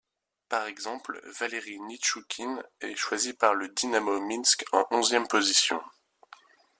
Par exemple, Valeri Nitchouchkine est choisi par le Dinamo Minsk en onzième position.